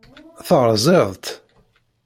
Teṛẓiḍ-t.